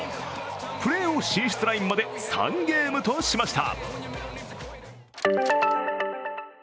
プレーオフ進出ラインまで３ゲームとしました。